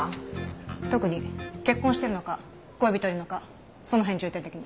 特に結婚してるのか恋人いるのかその辺重点的に。